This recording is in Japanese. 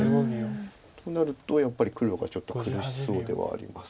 となるとやっぱり黒がちょっと苦しそうではあります。